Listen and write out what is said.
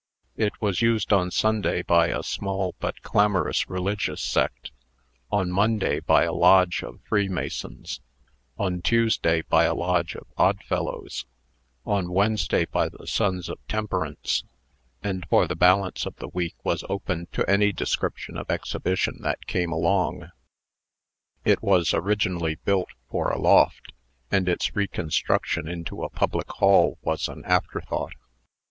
It was used on Sunday by a small but clamorous religious sect; on Monday by a lodge of Free Masons; on Tuesday by a lodge of Odd Fellows; on Wednesday by the Sons of Temperance; and for the balance of the week was open to any description of exhibition that came along. It was originally built for a loft, and its reconstruction into a public hall was an afterthought.